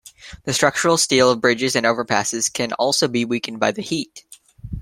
The structural steel of bridges and overpasses can also be weakened by the heat.